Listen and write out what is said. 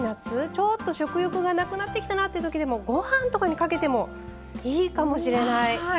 ちょっと食欲がなくなってきたなっていうときでもご飯とかにかけてもいいかもしれない。